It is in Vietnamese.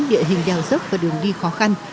địa hình đèo dốc và đường đi khó khăn